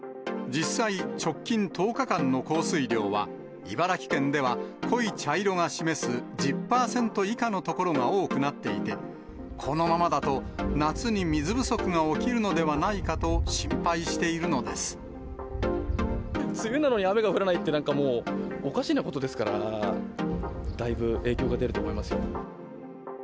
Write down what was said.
実際、直近１０日間の降水量は、茨城県では濃い茶色が示す１０％以下の所が多くなっていて、このままだと夏に水不足が起きるのではないかと心配しているので梅雨なのに、雨が降らないってなんかもう、おかしなことですから、だいぶ影響が出ると思いますよ。